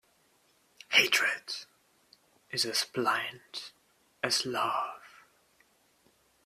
Hatred is as blind as love.